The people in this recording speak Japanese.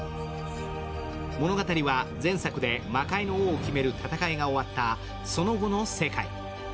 物語は、前作で魔界の王を決める戦いが終わった、その後の世界。